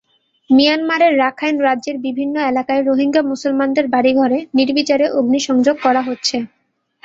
মিয়ানমারের রাখাইন রাজ্যের বিভিন্ন এলাকায় রোহিঙ্গা মুসলমানদের বাড়িঘরে নির্বিচারে অগ্নিসংযোগ করা হচ্ছে।